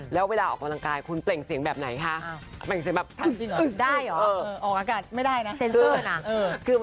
แล้วเวลาออกกำลังกายคุณเปล่งเสียงแบบไหนคะ